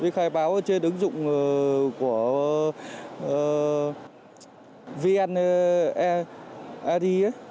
khai báo trên ứng dụng của vniid